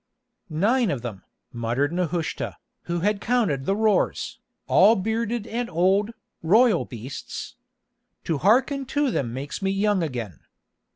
"Nine of them," muttered Nehushta, who had counted the roars, "all bearded and old, royal beasts. To hearken to them makes me young again.